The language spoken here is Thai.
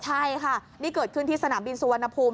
ใช่ค่ะนี่เกิดขึ้นที่สนามบินสุวรรณภูมิ